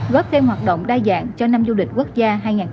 góp thêm hoạt động đa dạng cho năm du lịch quốc gia